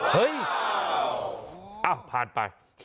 เฮ้ยอ้าวผ่านไป